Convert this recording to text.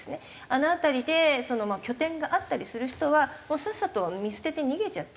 あの辺りで拠点があったりする人はもうさっさと見捨てて逃げちゃってるわけですよね。